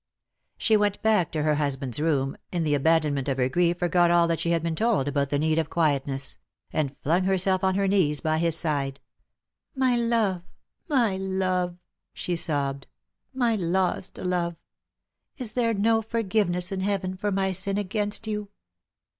She went back to her husband's room — in the abandonment of her grief forgot all that she had been told about the need of quietness — and flung herself on her knees by his side. " My love, my love," she sobbed, " my lost love ! Is there no forgiveness in heaven for my sin against you